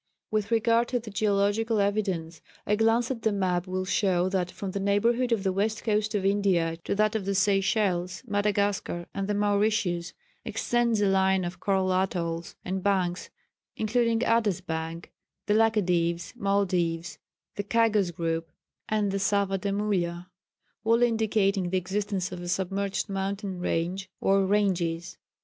"With regard to the geographical evidence, a glance at the map will show that from the neighbourhood of the West Coast of India to that of the Seychelles, Madagascar, and the Mauritius, extends a line of coral atolls and banks, including Adas bank, the Laccadives, Maldives, the Chagos group and the Saya de Mulha, all indicating the existence of a submerged mountain range or ranges.